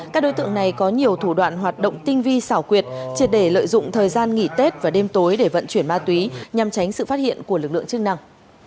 các đối tượng này có nhiều thủ đoạn hoạt động tinh vi xảo quyệt triệt để lợi dụng thời gian nghỉ tết và đêm tối để vận chuyển ma túy nhằm tránh sự phát hiện của lực lượng chức năng